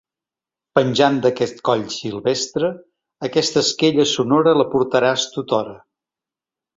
Penjant d'aquest coll silvestre, aquesta esquella sonora la portaràs tothora.